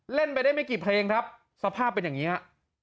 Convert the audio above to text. เล่นไปได้ไม่กี่เพลงครับสภาพเป็นอย่างนี้ฮะ